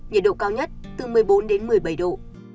nhiệt độ cao nhất từ một mươi bốn đến một mươi bảy độ